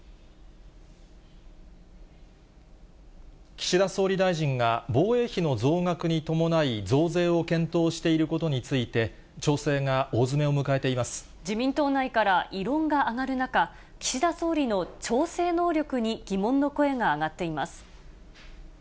岸田総理大臣が防衛費の増額に伴い増税を検討していることについて、自民党内から異論が上がる中、岸田総理の調整能力に疑問の声が上がっています。